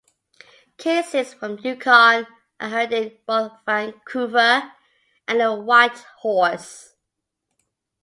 Cases from Yukon are heard in both Vancouver and in Whitehorse.